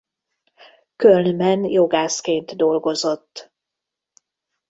Kölnben jogászként dolgozott.